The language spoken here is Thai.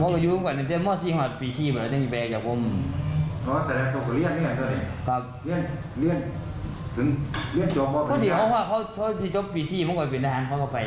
ก็ไม่เห็นว่าคนอยู่ข้างค้า